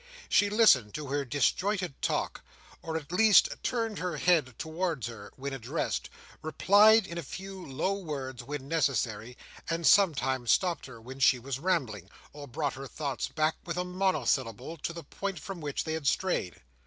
She listened to her disjointed talk, or at least, turned her head towards her when addressed; replied in a few low words when necessary; and sometimes stopped her when she was rambling, or brought her thoughts back with a monosyllable, to the point from which they had strayed.